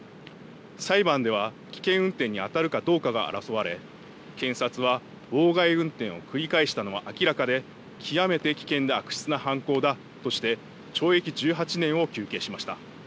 裁判では危険運転にあたるかどうかが争われ検察は妨害運転を繰り返したのは明らかで、極めて危険で悪質な犯行だとして懲役１８年を求刑しました。